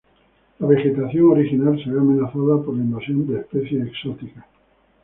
La vegetación original se ve amenazada por la invasión de especies exóticas.